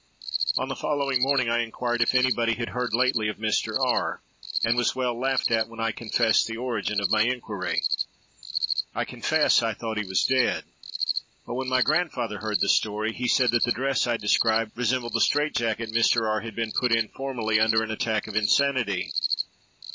"On the following morning, I inquired if anybody had heard lately of Mr. R., and was well laughed at when I confessed the origin of my inquiry. I confess I thought he was dead; but when my grandfather heard the story, he said that the dress I described, resembled the strait jacket Mr. R. had been put in formerly, under an attack of insanity.